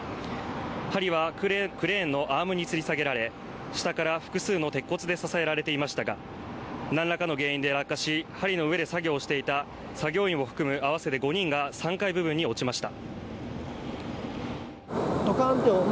はりはクレーンのアームにつり下げられ、下から複数の鉄骨で支えられていましたが、何らかの原因で落下し、はりの上で作業していた作業員を含む合わせて５人が３階部分に落ちました。